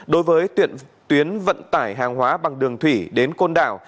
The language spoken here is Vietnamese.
đối với tuyển tuyến vận tải hàng hóa bằng đường thủy đến côn đảo